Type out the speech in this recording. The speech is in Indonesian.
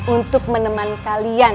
untuk meneman kalian